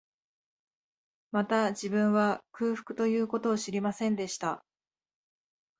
また、自分は、空腹という事を知りませんでした